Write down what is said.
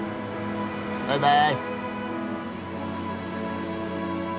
バイバーイ。